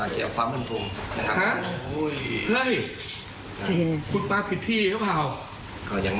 ต้องขายผู้ผู้ผิดที่คนพูดตัวอย่าง